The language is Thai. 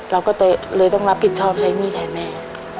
เราก็เลยต้องรับผิดชอบใช้หนี้แทนแม่